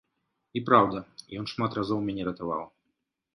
І праўда, ён шмат разоў мяне ратаваў.